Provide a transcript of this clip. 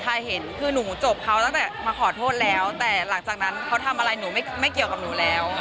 ใครเห็นคือหนูจบเขาตั้งแต่มาขอโทษแล้วแต่หลังจากนั้นเขาทำอะไรหนูไม่เกี่ยวกับหนูแล้ว